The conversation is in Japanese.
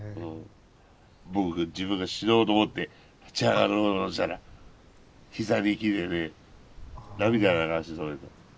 僕が自分が死のうと思って立ち上がろうとしたら膝に来てね涙流して止めた。